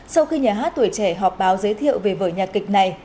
sau khi nhà hát tuổi trẻ họp báo giới thiệu về vở nhạc kịch này